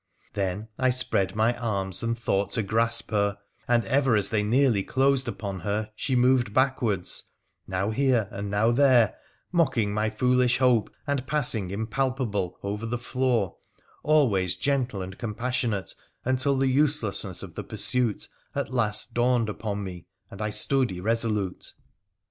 Then I spread my arms and thought to grasp her, and ever as they nearly closed upon her she moved backwards, now here and now there, mocking my foolish hope and passing impalpable over the floor, always gentle and compassionate, until the uselessness of the pursuit at last dawned upon me, and I stood irresolute.